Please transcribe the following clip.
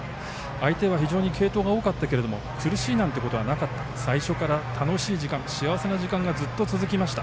相手は非常に継投が多かったけれども苦しいなんてことはなかった最初から楽しい幸せな時間がずっと続きました。